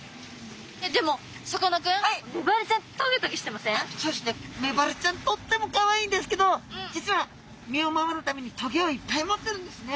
でもさかなクンメバルちゃんメバルちゃんとってもかわいいんですけど実は身を守るためにトゲをいっぱい持ってるんですね。